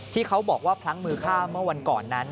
ที่เขาบอกว่าพลั้งมือฆ่าเมื่อวันก่อนนั้น